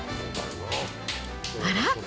あら？